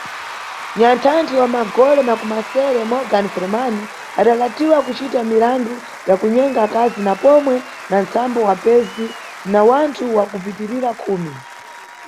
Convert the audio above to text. Nyanthanthi wa magole makumasere, Morgan Freeman, adalatidwa kucita mirandu ya kunyenga akazi na pomwe na nsambo wapezi na wanthu wakupitirira khumi.